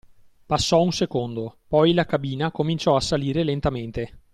Passò un secondo, poi la cabina cominciò a salire lentamente.